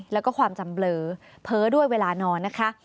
แล้วก็ความจำเบลอเพ้อด้วยเวลานอนนะคะ